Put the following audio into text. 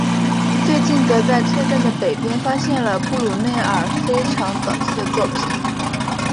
最近则在车站的北边发现了布鲁内尔非常早期的作品。